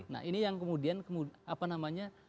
nah ini yang kemudian apa namanya